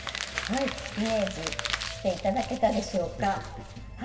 イメージしていただけたでしょうか？